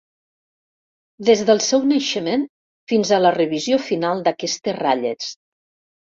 Des del seu naixement fins a la revisió final d'aquestes ratlles.